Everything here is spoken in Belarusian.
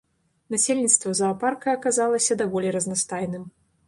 Насельніцтва заапарка аказалася даволі разнастайным.